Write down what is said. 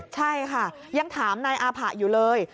ใช่ค่ะยังถามนายอาผะอยู่เลย